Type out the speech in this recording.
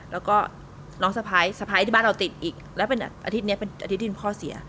แล้วก็น้องสะพ้ายสะพ้ายที่บ้านเราติดอีกแล้วเป็นอาทิตย์นี้เป็นอาทิตย์ที่พ่อเสีย